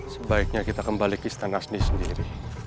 sebaiknya kita kembali ke istana sendiri